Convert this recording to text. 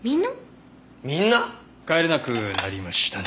帰れなくなりましたね。